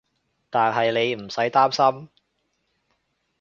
但係你唔使擔心